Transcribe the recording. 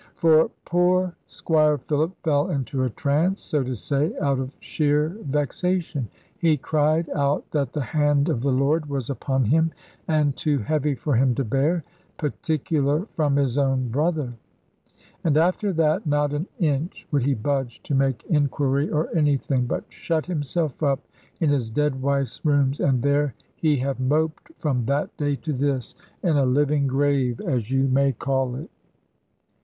For poor Squire Philip fell into a trance, so to say, out of sheer vexation. He cried out that the hand of the Lord was upon him, and too heavy for him to bear particular from his own brother. And after that not an inch would he budge to make inquiry or anything, but shut himself up in his dead wife's rooms, and there he have moped from that day to this, in a living grave, as you may call it."